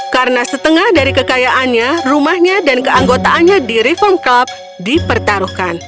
karena setengah dari kekayaannya rumahnya dan keanggotaannya di reform club dipertaruhkan